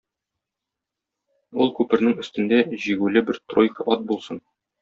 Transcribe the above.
Ул күпернең өстендә җигүле бер тройка ат булсын.